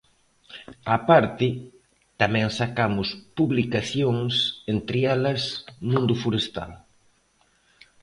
Á parte, tamén sacamos publicacións, entre elas Mundo forestal.